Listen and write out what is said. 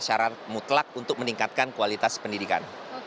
jadi itu adalah prasyarat mutlak untuk meningkatkan kualitas pendidikan